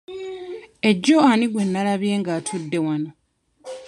Ejjo ani gwe nalabye nga atudde wano?